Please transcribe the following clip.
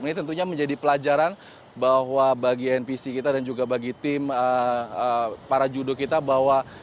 ini tentunya menjadi pelajaran bahwa bagi npc kita dan juga bagi tim para judo kita bahwa